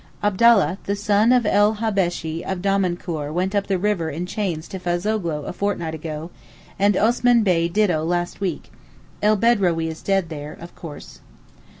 Abdallah the son of el Habbeshee of Damankoor went up the river in chains to Fazoghlou a fortnight ago and Osman Bey ditto last week—El Bedrawee is dead there, of course.